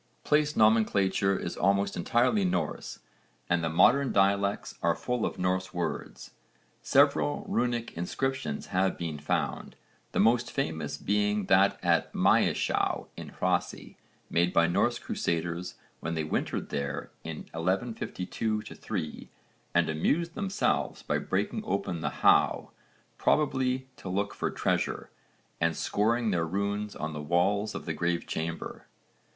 Place nomenclature is almost entirely Norse and the modern dialects are full of Norse words. Several runic inscriptions have been found, the most famous being that at Maeshowe in Hrossey, made by Norse crusaders when they wintered there in 1152 3 and amused themselves by breaking open the how, probably to look for treasure, and scoring their runes on the walls of the grave chamber.